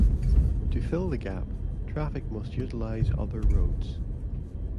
To fill the gap, traffic must utilize other roads.